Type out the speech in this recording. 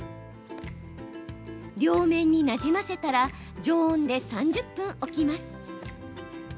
両面になじませたら常温で３０分置きます。